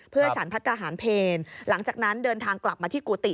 เพื่อฉันพัฒนาหารเพลหลังจากนั้นเดินทางกลับมาที่กุฏิ